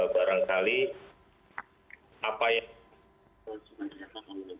barangkali apa yang